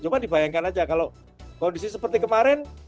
cuma dibayangkan aja kalau kondisi seperti kemarin